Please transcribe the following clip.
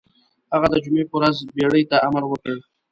هغه د جمعې په ورځ بېړۍ ته امر وکړ.